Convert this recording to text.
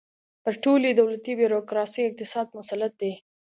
پر ټولې دولتي بیروکراسۍ او اقتصاد مسلط دی.